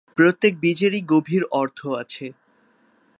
প্রত্যেক বীজেরই গভীর অর্থ আছে।